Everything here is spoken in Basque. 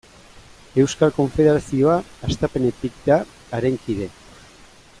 Euskal Konfederazioa hastapenetik da haren kide.